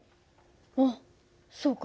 あっそうか。